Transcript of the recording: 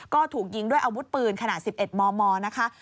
ก็ถูกยิงด้วยอาวุธปืนขนาด๑๑มมนะคะ